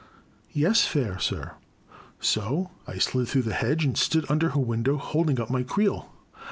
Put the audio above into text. '* Yes, fair sir." So I slid through the hedge and stood under her window holding up my creel.